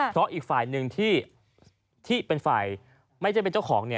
เพราะอีกฝ่ายหนึ่งที่เป็นฝ่ายไม่ใช่เป็นเจ้าของ